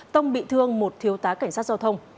tông bị thương một thiếu tá cảnh sát giao thông